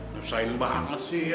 susahin banget sih ya